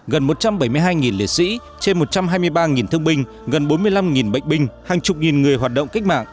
gần một trăm bảy mươi hai liệt sĩ trên một trăm hai mươi ba thương binh gần bốn mươi năm bệnh binh hàng chục nghìn người hoạt động cách mạng